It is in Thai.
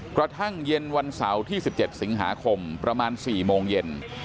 กระทั่งเย็นวันเสาร์ที่๑๗สิงหาคมประมาณ๔โมงเย็น